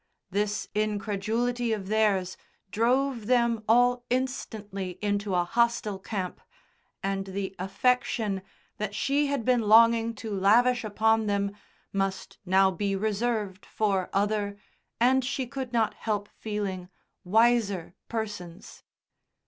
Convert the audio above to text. This incredulity of theirs drove them all instantly into a hostile camp, and the affection that she had been longing to lavish upon them must now be reserved for other, and, she could not help feeling, wiser persons.